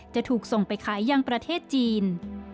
จะถูกส่งไปขายยังประเทศจีน